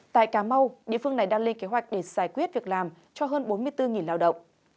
tại cà mau địa phương này đang lên kế hoạch để giải quyết việc làm cho hơn bốn mươi bốn lao động